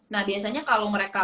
nah biasanya kalo mereka